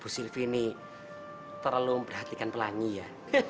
bu sylvi ini terlalu memperhatikan pelangi ya